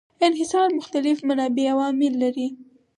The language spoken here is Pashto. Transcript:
انحصار مختلف منابع او عوامل لري.